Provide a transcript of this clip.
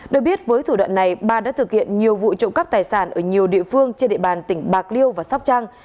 được biết với thủ đoạn này ba đã thực hiện nhiều vụ trộm cắp tài sản ở nhiều địa phương trên địa bàn tỉnh bạc liêu và sóc trăng